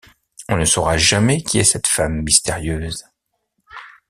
On ne saura jamais qui est cette femme mystérieuse.